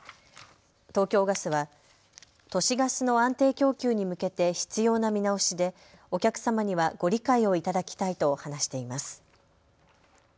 東京ガスは都市ガスの安定供給に向けて必要な見直しでお客様にはご理解をいただきたいと話しています。